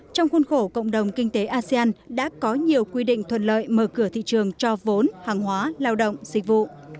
trong khuôn khổ cộng đồng kinh tế asean đã có nhiều quy định thuận lợi mở cửa thị trường cho vốn hàng hóa lao động dịch vụ